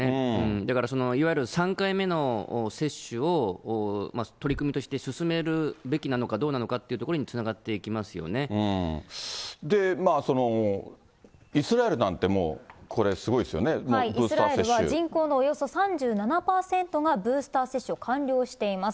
だからいわゆる３回目の接種を、取り組みとして進めるべきなのかどうなのかっていうところにつなイスラエルなんてもう、これ、イスラエルは、人口のおよそ３７％がブースター接種を完了しています。